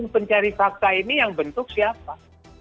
pencari fakta ini yang bentuk siapa